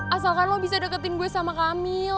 asalkan lo bisa deketin gue sama kamil